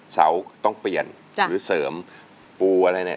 เสาต้องเปลี่ยนหรือเสริมปูอะไรเนี่ย